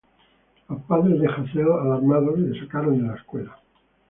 Los padres de Hazel, alarmados, la sacaron de la escuela.